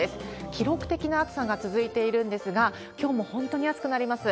記録的な暑さが続いているんですが、きょうも本当に暑くなります。